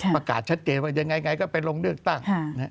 ประกาศชัดเจนว่ายังไงก็ไปลงเลือกตั้ง